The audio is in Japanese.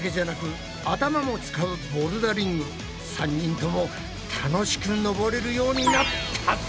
３人とも楽しく登れるようになったぞ！